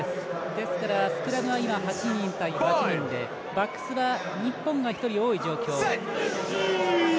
ですからスクラムは８人対８人でバックスは日本が１人多い状況。